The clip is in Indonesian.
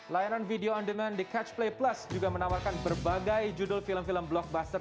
layanan video on demand di catch play plus juga menawarkan berbagai judul film film blockbuster